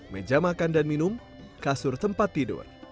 meja makan dan minum kasur tempat tidur